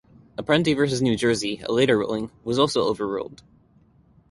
Apprendi versus New Jersey, a later ruling, was also overruled.